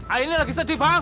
akhirnya lagi sedih bang